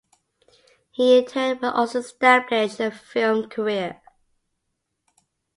He in turn would also establish a film career.